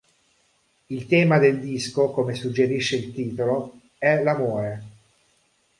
Il tema del disco, come suggerisce il titolo, è l'amore.